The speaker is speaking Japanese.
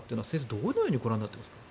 どのようにご覧になっていますか。